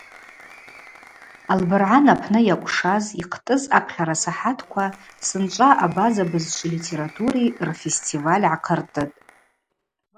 Албыргӏан апны йакӏвшаз йхътӏыз апхьарасахӏатква сынчӏва абаза бызшви литератури рфестиваль гӏахъыртӏытӏ.